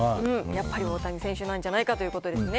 やっぱり大谷選手なんじゃないかということですね。